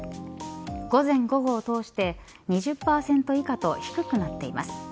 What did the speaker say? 午前、午後をとおして２０％以下と低くなっています。